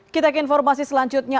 kita ke informasi selanjutnya